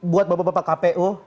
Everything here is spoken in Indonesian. buat bapak bapak kpu